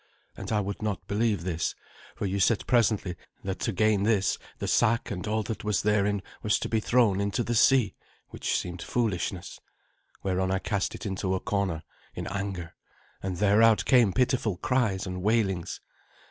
And I would not believe this, for you said presently that to gain this the sack and all that was therein was to be thrown into the sea, which seemed foolishness. Whereon I cast it into a corner in anger, and thereout came pitiful cries and wailings.